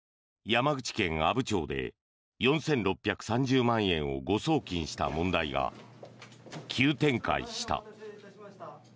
山口県阿武町で４６３０万円を誤送金した問題が急展開した。